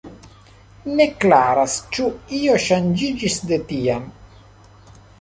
Ne klaras, ĉu io ŝanĝiĝis de tiam.